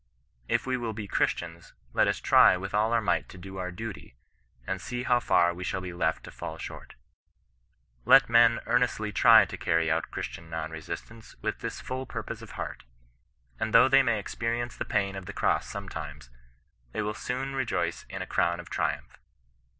If we will be Christians, let us try with all our might to do our dtUy, and see how far we shall be left to faJl short. Let men earnestly try to carry out Christian non resistance with this full purpose of heart, and though they may experi« ence the pain of the cross sometimes, they wiU soon re joice in a crown of triumph.